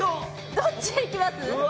どっちでいきます？